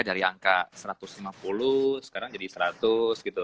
dari angka satu ratus lima puluh sekarang jadi seratus gitu